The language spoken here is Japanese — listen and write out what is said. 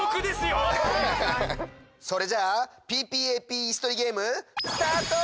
それじゃあＰＰＡＰイスとりゲームスタート！